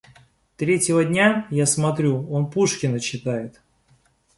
Третьего дня, я смотрю, он Пушкина читает.